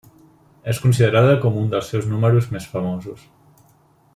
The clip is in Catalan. És considerada com un dels seus números més famosos.